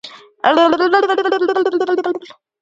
د تلویزیون د باغدارۍ خپرونې ګورئ؟